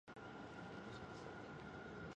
The inhabitants are called "Avranchinais".